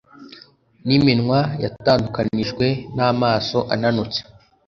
Niminwa yatandukanijwe namaso ananutse